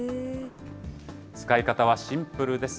使い方はシンプルです。